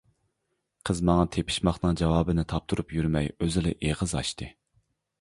قىز ماڭا تېپىشماقنىڭ جاۋابىنى تاپتۇرۇپ يۈرمەي ئۆزىلا ئېغىز ئاچتى.